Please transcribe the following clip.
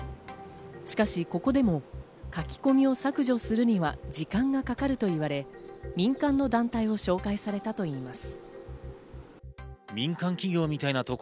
しかし、ここでも書き込みを削除するには時間がかかると言われ、民間の団体を紹介されたといいます。